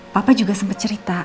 papa juga sempet cerita